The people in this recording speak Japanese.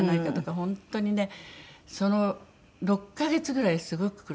本当にねその６カ月ぐらいすごく苦しみましたね。